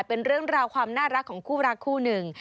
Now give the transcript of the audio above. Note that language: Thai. เป็นเรื่องราวความน่ารักของคู่รักคู่หนึ่ง